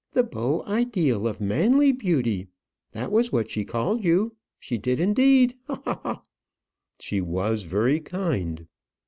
The beau ideal of manly beauty! that was what she called you. She did indeed. Ha! ha! ha!" "She was very kind."